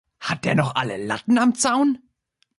Hat der noch alle Latten am Zaun?